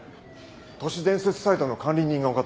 都市伝説サイトの管理人が分かったぞ。